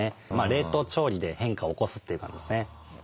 冷凍調理で変化を起こすという感じですね。